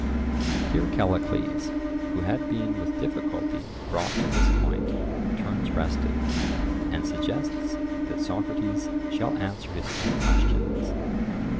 Here Callicles, who had been with difficulty brought to this point, turns restive, and suggests that Socrates shall answer his own questions.